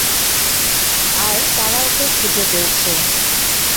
আর তারা ওকে খুঁজে পেয়েছে।